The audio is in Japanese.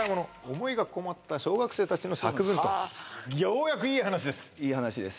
「思いがこもった小学生たちの作文」とようやくいい話ですいい話です